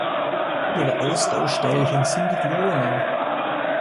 Ihre Austauschteilchen sind die Gluonen.